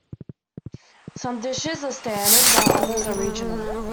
Some dishes are standard while others are regional.